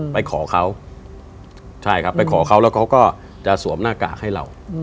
ไปขอเขาใช่ครับไปขอเขาแล้วเขาก็จะสวมหน้ากากให้เรา